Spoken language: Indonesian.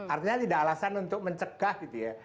artinya tidak alasan untuk mencegah gitu ya